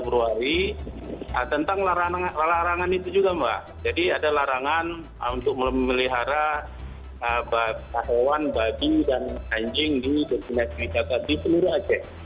jadi ada yang menyebutkan bahwa ada larangan untuk memelihara anjing di destinasi wisata di aceh